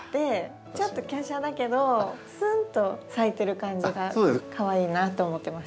ちょっときゃしゃだけどすんと咲いてる感じがかわいいなと思ってました。